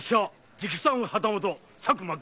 直参旗本佐久間軍兵衛。